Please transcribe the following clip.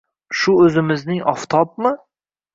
Shu o‘zimizning oftobmi?